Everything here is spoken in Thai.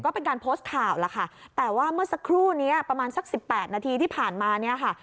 ก็เป็นการโพสต์ข่าวล่ะค่ะแต่ว่าเมื่อสักครู่นี้ประมาณสักสิบแปดนาทีที่ผ่านมาเนี่ยค่ะ